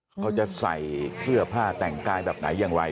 เขาจะใส่เสื้อผ้าแต่งกายแบบไหนอย่างไร